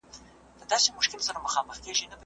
تر دغه مجلس څو شپې وروسته مي يو صالح شخص په خوب کي وليد.